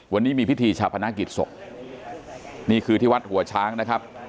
วันนี้มีพิธีชาพนักกิจศพนี่คือที่วัดหัวช้างนะครับ